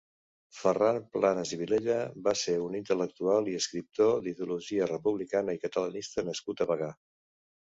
Ferran Planes i Vilella va ser un intel·lectual i escriptor d'ideologia republicana i catalanista nascut a Bagà.